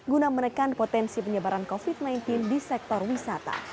guna menekan potensi penyebaran covid sembilan belas di sektor wisata